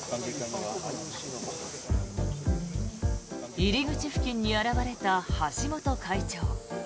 入り口付近に現れた橋本会長。